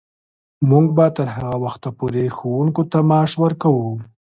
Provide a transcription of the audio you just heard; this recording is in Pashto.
موږ به تر هغه وخته پورې ښوونکو ته معاش ورکوو.